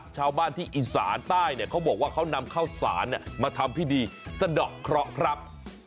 ชาวบ้านที่อีสานใต้เขาบอกว่าเขานำข้าวสารมาทำพิธีสะดอกเคราะห์ครับ